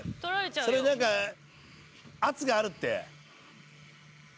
それ何か圧があるって。